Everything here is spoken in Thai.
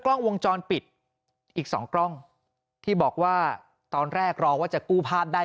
กล้องวงจรปิดอีกสองกล้องที่บอกว่าตอนแรกรอว่าจะกู้ภาพได้